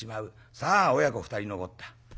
さあ親子２人残った。